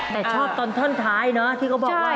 แต่ชอบตอนท่อนท้ายเนอะที่เขาบอกว่า